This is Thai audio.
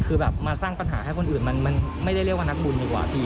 คือแบบมาสร้างปัญหาให้คนอื่นมันไม่ได้เรียกว่านักบุญดีกว่าพี่